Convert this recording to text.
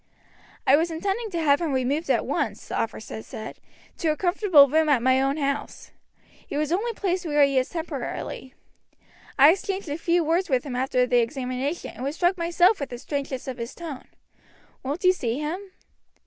"I was intending to have him removed at once," the officer said, "to a comfortable room at my own house. He was only placed where he is temporarily. I exchanged a few words with him after the examination and was struck myself with the strangeness of his tone. Won't you see him?"